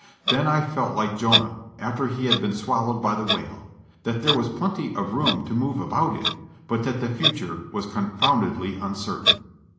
Then I felt like Jonah after he had been swallowed by the whale, that there was plenty of room to move about in, but that the future was confoundedly uncertain.